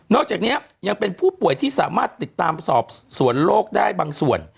จากนี้ยังเป็นผู้ป่วยที่สามารถติดตามสอบสวนโรคได้บางส่วน